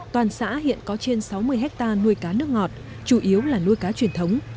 toàn xã hiện có trên sáu mươi hectare nuôi cá nước ngọt chủ yếu là nuôi cá truyền thống